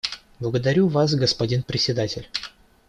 Благодарю Вас, господин Председатель.